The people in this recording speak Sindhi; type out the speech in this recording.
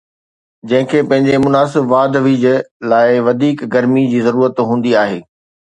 جنهن کي پنهنجي مناسب واڌ ويجهه لاءِ وڌيڪ گرمي جي ضرورت هوندي آهي